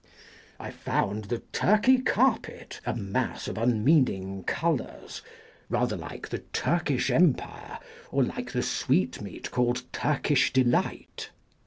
I found the Turkey carpet a mass of unmeaning colours, rather like the Turkish Empire, or like the sweetmeat called Turkish delight.